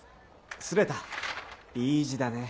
刷れたいい字だね。